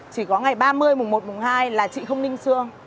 chỉ có ngày ba mươi mùng một mùng hai là chị không ninh xương